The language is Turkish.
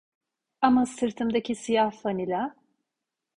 Ama sırtımdaki siyah fanila?